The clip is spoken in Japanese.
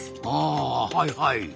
あはいはい。